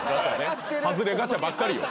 外れガチャばっかりよ。